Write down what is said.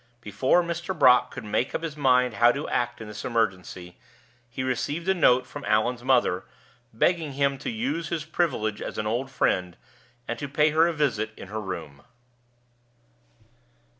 Before Mr. Brock could make up his mind how to act in this emergency, he received a note from Allan's mother, begging him to use his privilege as an old friend, and to pay her a visit in her room.